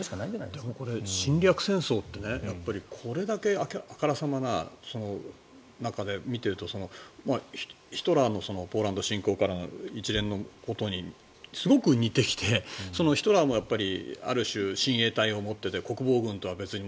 でもこれ、侵略戦争ってこれだけあからさまな中で見ているとヒトラーのポーランド侵攻からの一連のことにすごく似てきてヒトラーもやっぱりある種、親衛隊を持っていて国防軍とは別に。